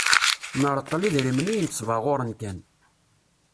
Nreṭṭel idrimen i yimesbaɣuren kan.